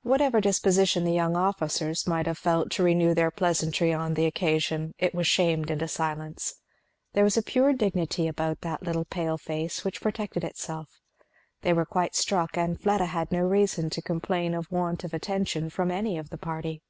Whatever disposition the young officers might have felt to renew their pleasantry on the occasion, it was shamed into silence. There was a pure dignity about that little pale face which protected itself. They were quite struck, and Fleda had no reason to complain of want of attention from any of the party.